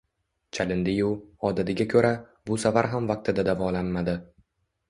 Chalindi-yu, odatiga ko‘ra, bu safar ham vaqtida davolanmadi